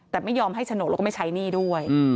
แต่ไม่ยอมให้โฉนดแล้วก็ไม่ใช้หนี้ด้วย